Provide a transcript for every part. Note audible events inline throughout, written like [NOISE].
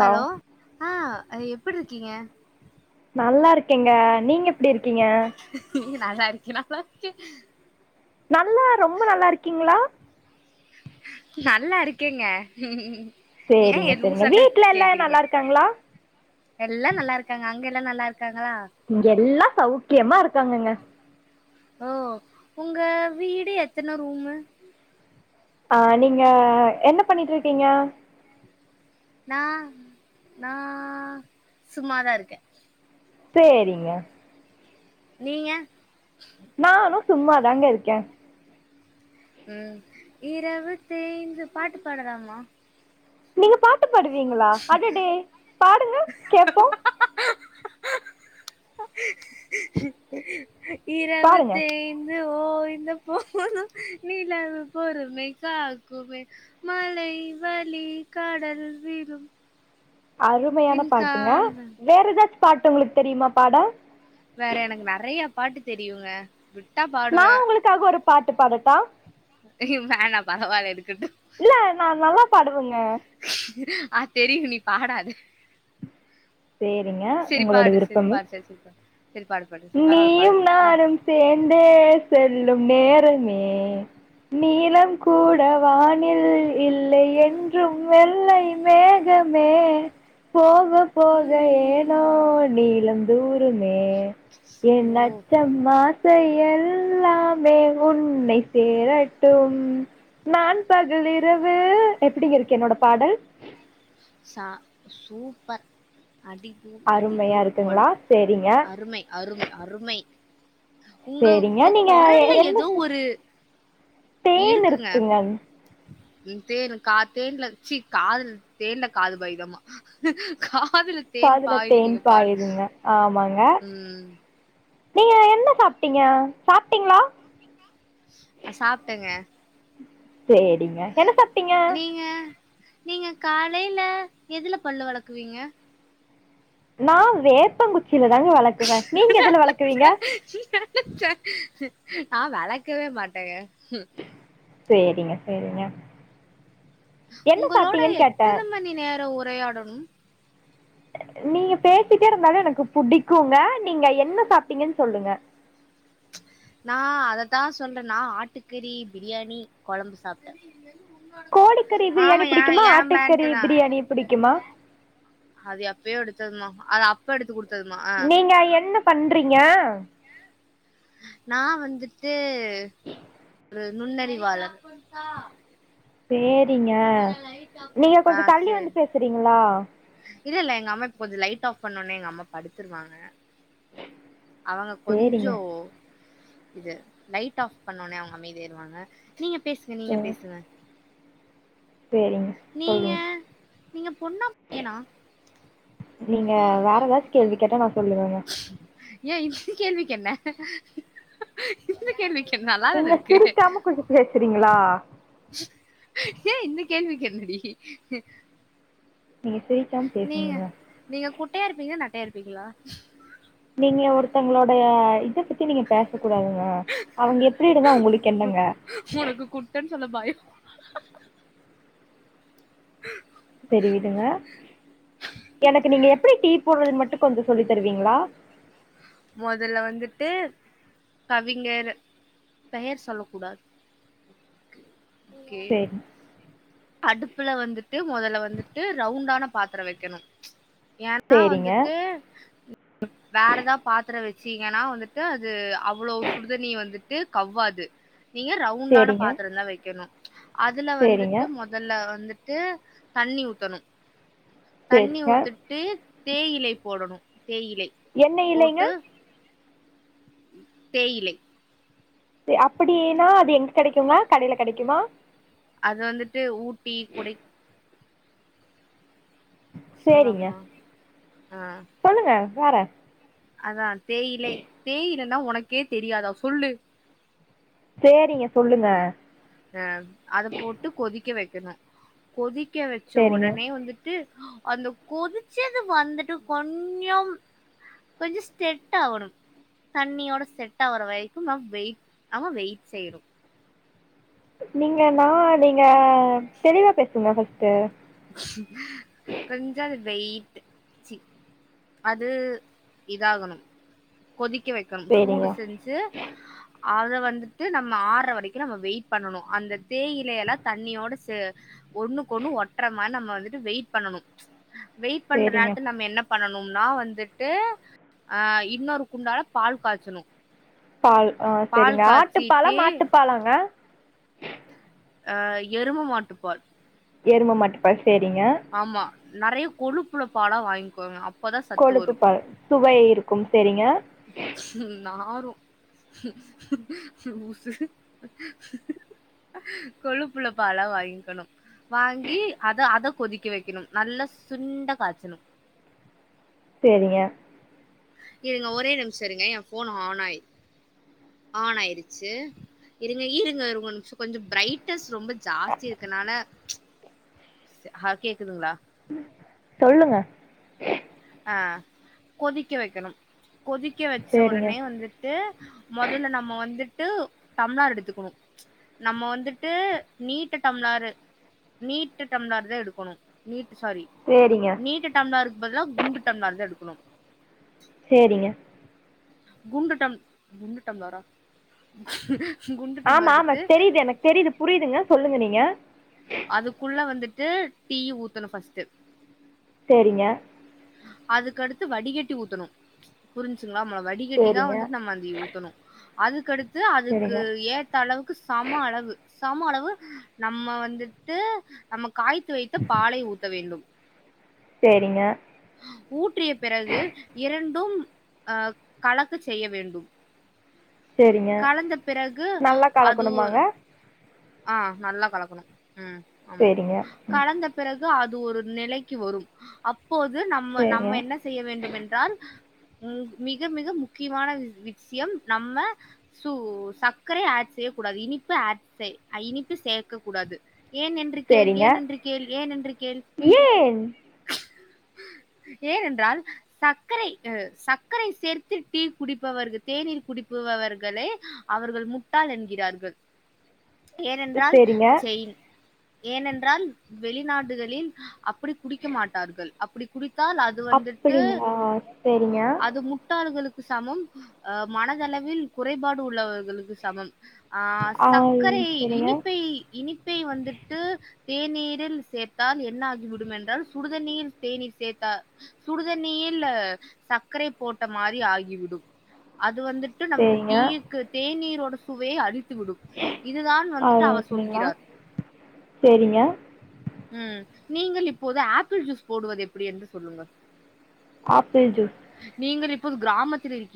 Hello ஆஹ் அதி எப்புடி இருக்கீங்க நல்லா இருக்கேங்க நீங்க எப் எப்டி இருக்கீங்க நல்லா இருக்கே நல்லா இருக்கே நல்லா ரொம்ப நல்லா இருக்கீங்களா நல்லா இருக்கேங்க ய சேரிங்க எ சேரிங்க லூசாட்டங் வீட்ல எல்லா கேக்குறீங்க நல்லா இருக்காங்களா எல்லா நல்லாருக்காங்க அங்க எல்லா நல்லாரு இங்க எல்லா சௌக்கியமா இருக்காங்கங்க ஓ உங்க வீடு எத்தன ரூமு ஆஹ் நீங்க என்ன பண்ணிட்ருக்கீங்க நான் நா சும்மாதா இருக்கே சேரிங்க நீங்க நானு சும்மாதாங்க இருக்க உம் இரவு தேய்ந்து பாட்டு பாடலாமா நீங்க பா ட்டு பாடுவீங்குளா அடடே பாடுங்க கேப்போ பாடுங்க இரவுத்தேய்ந் ஓய்ந்த போதும் நிலவு பொறுமை காக்குமே மலை வலி கடல் விரும் அருமையான பாட்டுங்க விண்காந்தன் வேற எதாச்சு பாட்டு உங்ளுக்கு தெரியுமா பாட வேற எனக்கு நறையா பாட்டு தெரியுங்க விட்டா நா பாடுவ உங்களுக்காக ஒரு பாட்டு பாடட்டா ஐயோ வேணா பரவால்ல இருக்கட்டு இல்ல நா நல்லா பாடுவங்க ஆஹ் தெரியு நீ பாடாத சேரிங்க செரி உங்களோட பாடு செரி விருப்பம்மு பாடு செரி செரி பாடு செரி பாடு பாடு செரி பரவால்ல பாடு நீயும் சும்மா நானும் சேர்ந்தே செல்லும் நே ரமே நீளம் கூட வானில் இல்லை என்றும் வெள்ளை மேகமே போ க போக ஏனோ ம் நீளம் தூரமே என் ஓ லட்சம் ஆ சையெல்லாமே உன்னை சேரட்டும் நான் பகலிரவு எப்படிங்க இருக்கு என்னோட பாடல் ச சூப்பர் அடி தூள் அடி அருமையா தூள் கொள் இருக்குங்களா சரிங்க அருமை அருமை அருமை உங்க சரிங்க உங்க நீங்க குரல்ல என்ன ஏதோ ஒரு தேன் இருக்குங்க உம் தேனு கா தேன்ல சீ காதுல தேன்ல காது பைதமா கா காதுல தேன் பாயிதுங்க ஆமாங் உம் நீங்க என்ன சாப்பிட்டீங்க சாப்பிட்டீங்களா அ சாப்ட்டங்க சரிங்க என்ன சாப்பிட்டீங்க நீங்க நீங்க காலையில எதுல பல்லு வளக்குவீங்க நான் வேப்பன்ங் குச் குச்சில தாங்க வளக்குவேன் நீங்க எதுல வளக்குவீங்க நனச்சே நா வளக்கவே மாட்டேங்க சரிங்க சரிங்க உங்களோட எத்தன மணி நேர ஒ உரையாடணும் நீங்க பேசிட்டே இருந்தாலும் எனக்கு புடிக்குங்க நீங்க என்ன சாப்பிட்டீங்கன்னு சொல்லுங்க நா அதத்தா சொல்றேன்னா ஆட்டுக்கறி பிரியாணி கொழம்பு சாப்ட்டே கோழிக்கறி பிரியாணி ஆமா ஏ புடிக்குமா ஏ ஆட்டுக்கறி பேண்டுதா பிரியாணி புடிக்குமா அது எப்பயோ எடுத் [UNINTELLIGIBLE] அது அப்ப எடுத்து கொடுத்து நீங்க என்ன பண்றீங்க நான் வந்துட்டு து ரு நுண்ணறிவாளர் சேர் சரிங்க நீங்க ஆ கொஞ்ச தள்ளி சேரி வந்து பேசுறீங்களா இல்ல இல்ல எங்க அம்மா இப்ப கொஞ்ச நைட் ஆப் பண்ணோனே எங்க அம்மா படுத்துருவாங்க அவங்க சேரிங்க கொஞ்சோ இது லைட் ஆஃப் பண்ணோனே அவங்க அமைதியாய்ருவாங்க நீங்க பேசுங்க நீங்க பேசுங்க சரிங்க நீங்க சொல்லுங் நீங்க பொண்ணா பையனா நீங்க வேற ஏதாச்சு கேள்வி கேட்ட நா சொல்லுவ ஆமா ஏய் இந் கேள்விக்கு என்ன இந்த கேள்வி நீங்க சிரிக்காம கொஞ்ச பேச்சுறீங்களா ஏ இந்த கேள்வி கேள்ளுங்கடி நீங்க சிரிக்காம நீங்க பேசுங்கங்க நீங்க குட்டையா இருப்பீங்க நெட்டையா இருப்பீங்க அப்பிங்களா [INAUDIBLE] நீங்க ஒருத்தங்களோடய இத பத்தி நீங்க பேச கூடாதுங்க அவங்க எப்பிடிருந்தா உங்குளுக்கு என்னங்க உனக்கு குட்டன்னு சொல்ல பயோ சரிவிடுங்க எனக்கு நீங்க எப்பிடி [UNINTELLIGIBLE] [UNINTELLIGIBLE] போடுறதுன்ன மட்டு கொஞ்சு சொல்லி தருவீங்களா மொதல்ல வந்துட்டு கவிஞர் பெயர் சொல்ல கூடாது ஓகே செரி அடுப்புல வந்துட்டு மொதல்ல வந்துட்டு ரவுண்டான பாத்தரோ வெக்கணு ம்ச். ஏன்னா சேரிங்க வந்துட்டு வேற ஏதாவ பாத்திர வெச்சீங்கன்னா வந்துட்டு அது அவ்வளோ சுடுதண்ணி வந்துட்டு கவ்வாது நீங்க ரவுண்டான சேரிங்க பாத்திரந்தா வெக்கணு அதுல சேரிங்க வந்துட் மொதல்ல வந்துட்டு தண்ணி ஊத்தணு தண்ணி சேரிங்க ஊத்துட்டு தேயிலை போடணு தேயிலை எண்ணெ இல்லைங்க போட்டு தேயிலை அப்படின்னா அது எங்க கெடைக்குங்க கடையில கெடைக்குமா? அது வந்துட்டு ஊ டி கொடைக் சேரிங்க உசராமா [INAUDIBLE] ஆ வாறே அதான் தேயிலை தேயில [UNINTELLIGIBLE] உனக்கே தெரியாத சொல்லு சேரிங்க சொல்லுங்க ஆ அத போட்டு கொதிக்க வைக் க்கனு கொதிக் திக்க வச்ச சேரிங்க ஒடனே வந்திட்டு அந்த கொதிச்சது வந்துட்டு கொஞ்சம் கொஞ்சு ஸ்டெட் ஆகணும் தண்ணியோட செட் ஆவுற வரைக்கும் ந வெயிட் ஆம வெயிட் செய்யணும் நீங்க நா நீங்க தெளிவா பேசுங்க ஃபஸ்ட் கொஞ்ச [UNINTELLIGIBLE] வெயிட் சி அது இதாகணும் கொதிக்க வைக்கம் சூடு சேரிங்க செஞ்சு அத வந்துட்டு நம்ம ஆற்ற வரைக்கும் நம்ம வெயிட் பண்ணணு அந்த தேயிலைய எலா தண்ணியோட சு ஒண்ணுக்கு ஒண்ணு ஒ க்ற மா நம்ம வந்துட்டு வெயிட் பண்ணனும் வெயிட் பண்ற சேரிங்க நேரத்து நம்ம என்ன பண்ணனும் நா வந்துட்டு அ இன்னொரு குண்டால பால் காய்ச்சுனும் பால் ஆ சேரிங்க ஆட்டுப்பாலா மாட்டுப்பாலாங்க அ எரும மாட்டுப்பால் எரும மாட்டுபால் சேரிங்க நறைய கொழுப்புள்ள பாலா வாங்கிக்கோங்க அப் கொழுப்பு பால் சுவை இருக்கும் சேரிங்க [UNINTELLIGIBLE] கொழுப்புள்ளப் பாலா வாங்கிக்கணும் வாங்கி அத அத கொதிக்க வைக்கணும் நல்லா சுண்ட காய்ச்சணும் சேரிங்க இருங்க ஒரே நிமிஷோ இருங்க என் ஃபோன் ஆன் ஆய் ஆன் ஆயிடுச்சு இருங்க இருங்க ஒரு நிமிஷோ கொஞ்சோ பிரைட்னஸ் ரொம்ப ஜாஸ்தி இருக்கனால ஸ் அ கேக்குதுங்களா சொல்லுங்க ஆ கொதிக்க வெக்கணும் கொதிக்க வச்ச சேரிங்க உடனே வந்துட்டு மொதல்ல நம்ம வந்துட் டு டம்ளார் எடுத்துக்கணும் நம்ம வந்துட்டு நீட்டு டம்ளாரு நீட்டு டம்ளாரு தா எடுக்கணும் நீட் சாரி சேரிங்க நீட்டு டம்ளார்க்கு பதிலா குண்டு டம்ளார்தா எடுக்கணும் சேரிங்க குண்டு டம் குண்டு டம்ளாரா ஆமா ஆமா தெரியுது எனக்கு தெரியுது புரியுதுங்க சொல்லுங்க நீங்க அதுக்குள்ள வந்துட்டு டீ ஊத்தணு ஃப்ஸ்ட்டு சேரிங்க அதுக்கடுத்து வடிகட்டி ஊத்தணும் புரிஞ்சு நாம வடிகட்டிதா சேரிங்க வந்துட் நம்ம அந்தி ஊத்தணு அதுக்கடுத் து அதுக்கு சேரிங்க ஏத்த அளவுக்கு சம அளவு சம அளவு நம்ம வந்துட்டு நமக் காய்த்து வைத்து பாலை ஊத்த வேண்டும் சேரிங்க ஊற் றிய பிறகு இரண் டும் அ கலக்க செய்ய வேண்டும் சேரிங்க கலந்த பிறகு நல்லா அது ஒரு கலக்கணுமாங்க ஆஹ் நல்லா கலக்கணு சேரிங்க உம் பிறகு அது ஒரு நிலைக்கு வரும் அப் ப்போது நம்ம சேரிங்க நம்ம என்ன செய்ய வேண்டும் என்றால் மிக மிக முக்கியமான வி விக்சியம் நம்ம சு சர்க்கரை ஏட் செய்யக் கூடாது இனிப்பு ஏட் செய் அ இனிப்பு சேர்க்க கூடாது ஏன் என்று கேள் சேரிங்க ஏன் என்று கேள் ஏன் என்று கேள் ஏன் ஏனென்றால் சர்க்கரை அ சர்க்கரை சேர்த்து டீ குடிப்பவர் தேநீர் குடிப்பவர்களே அவர்கள் முட்டாள் என்கிறார்கள் ஏனென்றால் சேரிங்க செய்ன் ஏனென்றால் வெளிநாடுகளில் அப்படி குடிக்க மாட்டார்கள் அப்படி குடி த்தால் அது வந்துட்டு அப்டிங்களா சேரிங்க அது முட்டாள்களுக் சமம் அ மனதளவில் குறைபாடு உள்ளவர்களுக்கு சமம் ஆஹ் ச ஆல் க்கரை சேரிங்க இனிப்பை இனிப் ப்பை வந்துட்டு தேநீரில் சேர்த்தால் என்ன ஆகிவிடும் என்றால் சுடுதண்ணியில் தேநீர் சேர்த்தா சுடுதண்ணியில் அ சர்க்கரை போட்ட மாரி ஆகிவிடும் அ து வந்துட்டு நமக்கு சேரிங்க டீயிக்கு தேனீர்ரோடு சுவையே அளி த்து விடும் ஆ ஒகேங்களா சேரிங்க உம் நீங்கள் இப்போது ஆப்பிள் ஜூஸ் போடுவது எப்படி என்று சொல்லுங்க ஆப்பிள் ஜூஸ் போது கிராமத்தில் இரு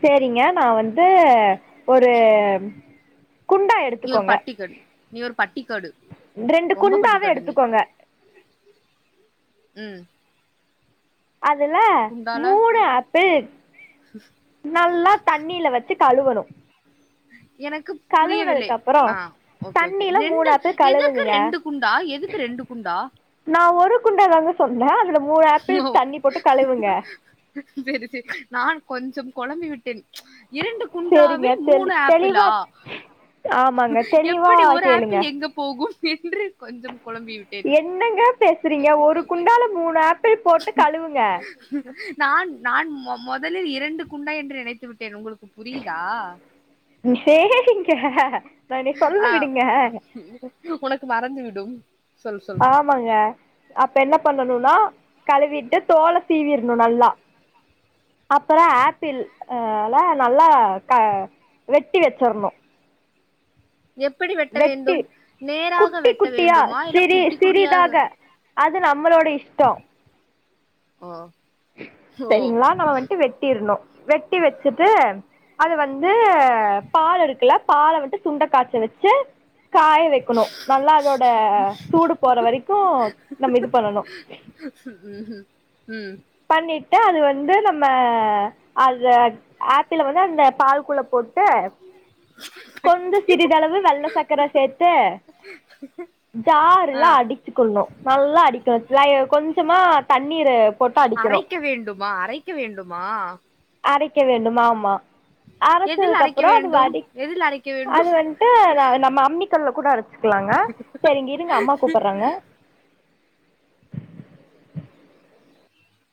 சேரிங்க நா வந்து அ ஒரு குண்டா நீ ஒரு எடுத்துக்கோங்க பட்டிக்கடு நீ ஒரு பட்டிக்காடு ரெண்டு ரொம்ப குண்டாவே பட்டிக்காடு நீ எடுத்துக்கோங்க உம் அதுல மூணு ஆப்பிள் நல்லா தண்ணில வச்சு கழுவணு உம் எனக்கு புரிய வில்லை கழுவுனதுக்கு அப்புறோ ஆஹ் ஓகே ஓகே தண்ணில மூணு ரெண்டு ஆப்பிள் எதுக்கு கழுவுங்கங்க ரெண்டு குண்டா எதுக்கு ரெண்டு குண்டா சொல்லேன் அது ஓ சரி சரி நானு கொஞ்சம் குழம்பி விட்டேன் இரண்டு சேரிங்க குண்டாவில் தெளி மூணு ஆப்பிளா தெளிவா ஆமாங்க தெளிவா எப்படி ஒரு கேளுங்க ஆப்பிள் எங்க போகும் [UNINTELLIGIBLE] குழம்பி விட்டேன் என்னங்க பேசுறீங்க ஒரு குண்டால மூணா ஆப் ப்பிள் போட்டு கழுவுங்க நான் நான் முதலில் இரண்டு குண்டா என்று நினைத்துவிட்டேன் உங்களுக்கு புரியுதா? ஏங்க நான் நீ சொல்ல விடுங்க மறந்து விடும் ஆமாங்க அப்ப என்ன பண்ணணுனா கழுவிட்டு தோலை சீவிரணும் நல்லா அப்றம் ஆப்பிள்ல நல்லா க வெட்டி வச்சற்ணும் எப்படி வெட்ட வெட்டி வேண்டும்? நேராக குட்டி வெட்ட குட்டியா வேண்டுமா? இல்ல சிறி குட்டி சிறிதாக குட்டியாக? அது நம்மளோட இஷ்டம் ஆஹ் சரிங்களா நம்ம வந்துட்டு வெட்டிர்னோ வெட்டி வச்சுட்டு அது வந்து பா பால் இருக்குல்ல பால வட்டு சுண்ட காச்ச வச்சு காய வைக்கணும் நல்லா அதோட சூடு போற வரைக்கும் நம்ம இது பண்ணனும் உம் டு அது வந்து நம்ம அது ஆப்பில்ல வந்து அந்த பால்குள்ள போட்டு கொஞ்சம் சிறிதளவு வெள்ள சர்க்கரை சேர்த்து ஜார்ல ஆ. அடிச்சு கொள்ளணும் நல்லா அடிக்க லை கொஞ்சமா தண்ணி அரைக்க வேண்டுமா அரைக்க வேண்டுமா அரைக்கவேண்டும் ஆமா எதில் அரைச்சதுக்கு அரைக்க அப்றம் அது வேண்டும்? வடி எதில் அரைக்க அது வேண்டும்? வந்ட்டு நம்ம அம்மிக்கல்ல கூட அரைச்சிக்கலாங்க சரி இருங்க அம்மா கூப்பிடுறாங்க